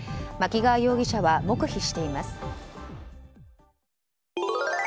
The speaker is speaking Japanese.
槇川容疑者は黙秘しています。